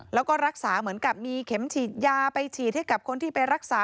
แล้วก็รักษาเหมือนกับมีเข็มฉีดยาไปฉีดให้กับคนที่ไปรักษา